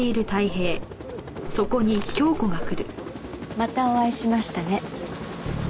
またお会いしましたね。